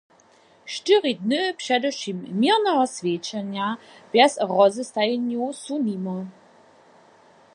Štyri dny předewšěm měrneho swjećenja bjez rozestajenjow su nimo.